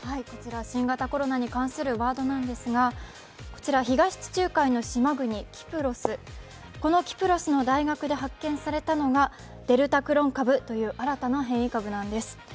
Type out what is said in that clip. こちら新型コロナに関するワードなんですが、東地中海の島国・キプロス、このキプロスの大学で発見されたのがデルタクロン株という、新たな変異株なんです。